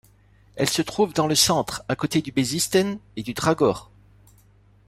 Elle se trouve dans le centre, à côté du Bezisten et du Dragor.